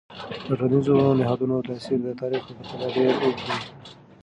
د ټولنیزو نهادونو تاثیر د تاریخ په پرتله ډیر اوږد دی.